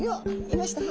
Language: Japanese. いました？